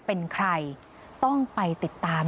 เป็นใครต้องไปติดตาม